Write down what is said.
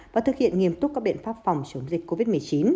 và thực hiện nghiêm túc các biện pháp phòng chống dịch covid một mươi chín